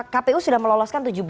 kpu sudah meloloskan tujuh belas